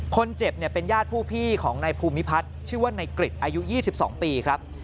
คนเจ็บเนี้ยเป็นญาติผู้พี่ของในภูมิพัฒน์ชื่อว่าในกริดอายุยี่สิบสองปีครับ